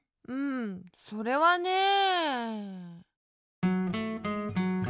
うんそれはね。